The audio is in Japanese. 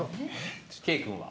圭君は？